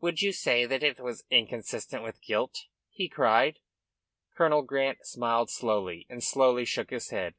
"Would you say that it was inconsistent with guilt?" he cried. Colonel Grant smiled slowly, and slowly shook his head.